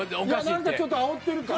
何かちょっとあおってる感。